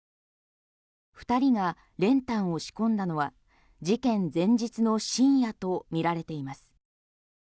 ２人が練炭を仕込んだのは事件前日の深夜とみられています。